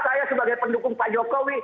saya sebagai pendukung pak jokowi